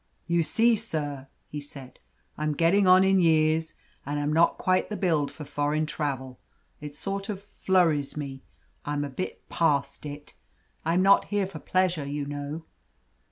"You see, sir," he said, "I'm getting on in years, and I'm not quite the build for foreign travel. It sort of flurries me. I'm a bit past it. I'm not here for pleasure, you know."